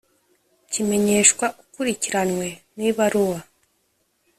kimenyeshwa ukurikiranywe mu ibaruwa